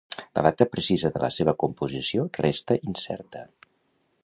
La data precisa de la seva composició resta incerta.